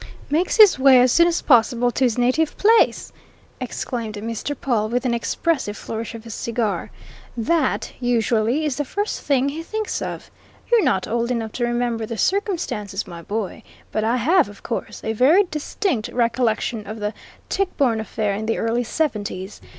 "Makes his way as soon as possible to his native place!" exclaimed Mr. Pawle, with an expressive flourish of his cigar. "That, usually, is the first thing he thinks of. You're not old enough to remember the circumstances, my boy, but I have, of course, a very distinct recollection of the Tichborne affair in the early seventies.